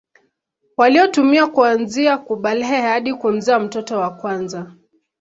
Waliotumia kuanzia kubalehe hadi kumzaa mtoto wa kwanza